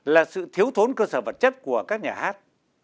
là sự thiếu thốn cơ sở vật chất của các nhà hát